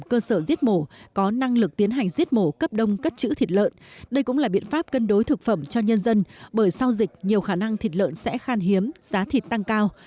cơ sở giết mổ có năng lực tiến hành giết mổ cấp đông cất chữ thịt lợn đây cũng là biện pháp cân đối thực phẩm cho nhân dân bởi sau dịch nhiều khả năng thịt lợn sẽ khan hiếm giá thịt tăng cao